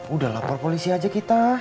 udah lapor polisi aja kita